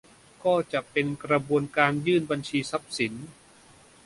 ก็จะเป็นกระบวนการยื่นบัญชีทรัพย์สิน